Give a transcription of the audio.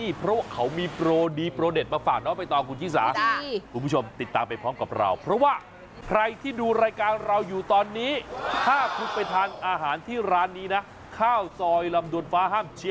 นี่ฉันเคยทานของข้าวซอยเสมอใจด้วยข้าวซอยลำดวนด้วย